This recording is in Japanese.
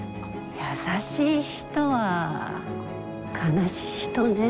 優しい人は悲しい人ね。